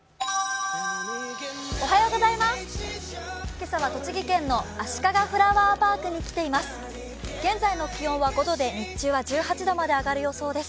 今朝は栃木県のあしかがフラワーパークに来ています。